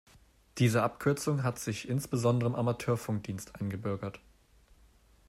Diese Abkürzung hat sich insbesondere im Amateurfunkdienst eingebürgert.